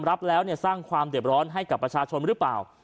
รับแล้วสร้างความเด็บร้อนให้กับประชาชนหรือเปล่า